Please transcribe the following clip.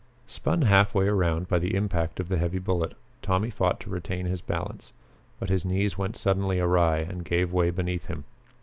Spun half way around by the impact of the heavy bullet, Tommy fought to retain his balance. But his knees went suddenly awry and gave way beneath him.